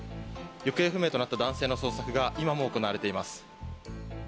行方不明となった男性の捜索が、今も行われています。